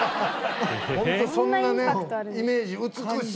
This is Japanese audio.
ホントそんなねイメージ。